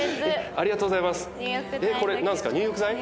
ありがとうございます。